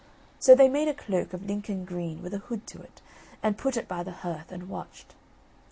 So they made a cloak of Lincoln green, with a hood to it, and put it by the hearth and watched.